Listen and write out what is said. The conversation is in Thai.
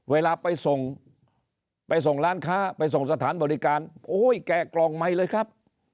เวลาไปส่งไปส่งร้านค้าไปส่งสถานบริการโอ้ยแกะกล่องใหม่เลยครับ